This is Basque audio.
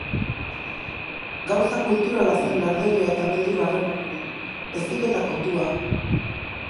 Gauza kulturala zen larderia eta beldur harreman hori, heziketa kontua.